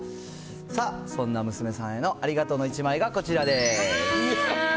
さあ、そんな娘さんへのありがとうの１枚がこちらです。